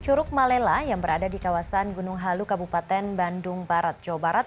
curug malela yang berada di kawasan gunung halu kabupaten bandung barat jawa barat